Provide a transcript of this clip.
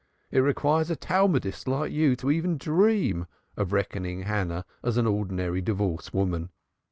It requires a Talmudist like you to even dream of reckoning Hannah as an ordinary divorced woman.